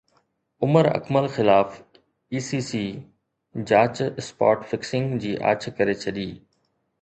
عمر اڪمل خلاف I C C جاچ spot fixing جي آڇ ڪري ڇڏي